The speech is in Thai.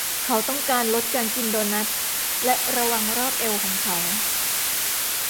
เขาต้องการลดการกินโดนัทและระวังรอบเอวของเขา